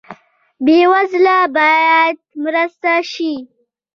بې وزله باید مرسته شي